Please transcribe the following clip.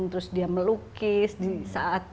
terus dia melukis saat